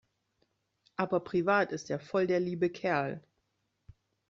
Aber privat ist er voll der liebe Kerl.